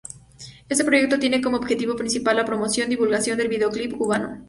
Este proyecto tiene como objetivo principal la promoción, divulgación del video clip cubano.